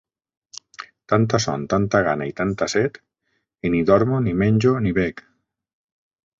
Tanta son, tanta gana i tanta set, i ni dormo, ni menjo, ni bec.